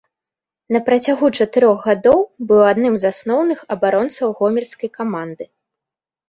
На працягу чатырох гадоў быў адным з асноўных абаронцаў гомельскай каманды.